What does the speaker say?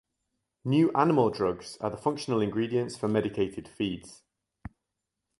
New animal drugs are the functional ingredients for medicated feeds.